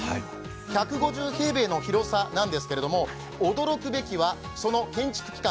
１５０平米の広さなんですけど驚くべきはその建築期間